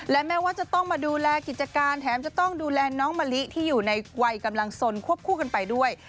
และแม้ว่าจะต้องมาดูแลกิจการแถมจะต้องดูแลน้องมะลิที่อยู่ในวัยกำลังสนควบคู่กันไปด้วย